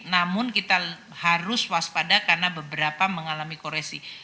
namun kita harus waspada karena beberapa mengalami koreksi